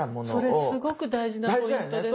それすごく大事なポイントです。